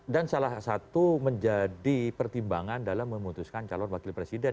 dan salah satu menjadi pertimbangan dalam memutuskan calon wakil presiden